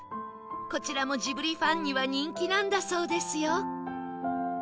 こちらもジブリファンには人気なんだそうですよ